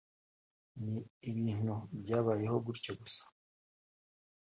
ni ibintu byabayeho gutyo gusa